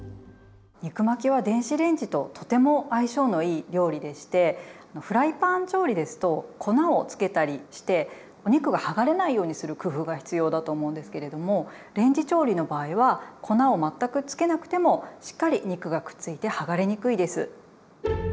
肉巻きは電子レンジととても相性のいい料理でしてフライパン調理ですと粉をつけたりしてお肉が剥がれないようにする工夫が必要だと思うんですけれどもレンジ調理の場合は粉を全くつけなくてもしっかり肉がくっついて剥がれにくいです。